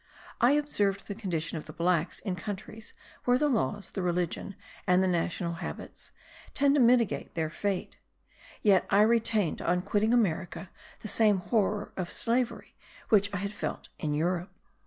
I observed the condition of the blacks in countries where the laws, the religion and the national habits tend to mitigate their fate; yet I retained, on quitting America, the same horror of slavery which I had felt in Europe.